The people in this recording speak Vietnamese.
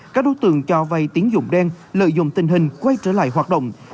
các đối tượng cho vay tín dụng đen lợi dụng tình hình quay trở lại hoạt động